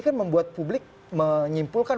kan membuat publik menyimpulkan